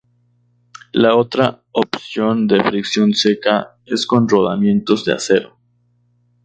La otra opción de fricción seca es con rodamientos de acero.